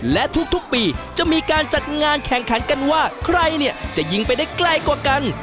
และทุกปีจะมีการจัดงานแข่งขันกันว่าใครเนี่ยจะยิงไปได้ใกล้กว่ากัน